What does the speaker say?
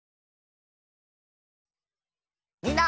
みんな。